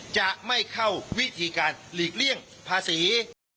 จะไม่เข้าวิธีการหลีกเลี่ยงภาษี